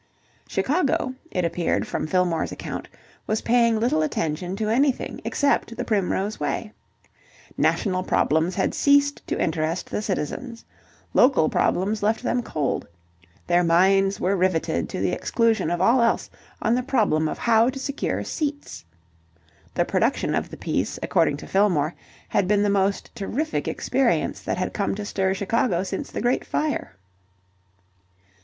Chicago, it appeared from Fillmore's account, was paying little attention to anything except "The Primrose Way." National problems had ceased to interest the citizens. Local problems left them cold. Their minds were riveted to the exclusion of all else on the problem of how to secure seats. The production of the piece, according to Fillmore, had been the most terrific experience that had come to stir Chicago since the great fire.